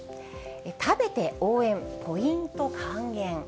食べて応援、ポイント還元。